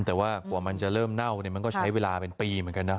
แต่ว่ากว่ามันจะเริ่มเน่าเนี่ยมันก็ใช้เวลาเป็นปีเหมือนกันนะ